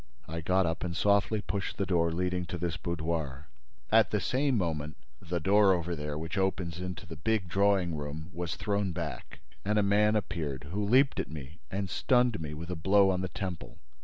I got up and softly pushed the door leading to this boudoir. At the same moment, the door over there, which opens into the big drawing room, was thrown back and a man appeared who leaped at me and stunned me with a blow on the temple.